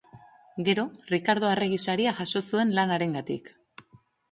Gero Rikardo Arregi Saria jaso zuen lan harengatik.